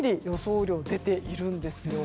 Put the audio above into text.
雨量が出ているんです。